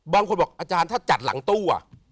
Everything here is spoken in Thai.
บางคนบอกอาจารย์ถ้าจัดหลังตู้